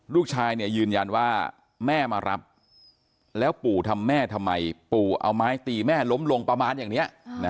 ลูกชายยืนยันว่าแม่มารับแล้วปู่ทำแม่ทำไมปู่เอาไม้ตีแม่ล้มลงประมาณอย่างนี้